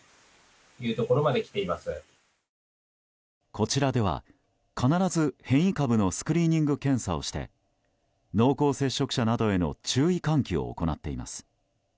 こちらでは必ず変異株のスクリーニング検査をして濃厚接触者などへの注意喚起を行っています。